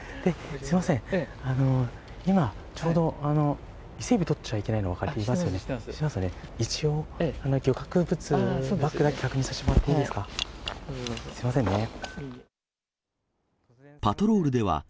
すみません、今、ちょうど伊勢エビ取っちゃいけないの分かりますよね？